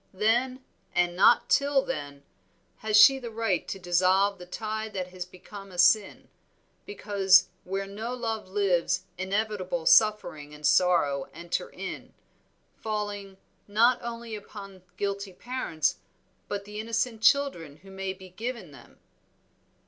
Then, and not till then, has she the right to dissolve the tie that has become a sin, because where no love lives inevitable suffering and sorrow enter in, falling not only upon guilty parents, but the innocent children who may be given them."